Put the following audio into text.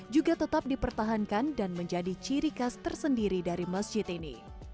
juga tetap dipertahankan dan menjadi ciri khas tersendiri dari masjid ini